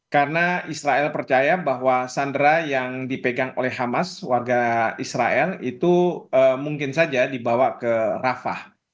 karena israel percaya bahwa sandera yang dipegang oleh hamas warga israel itu mungkin saja dibawa ke rafah